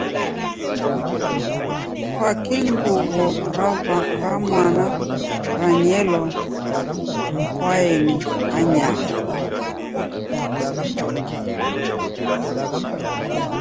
Kwakii nguw'o ra mwana ranyelwa mukoaeni ainyaa?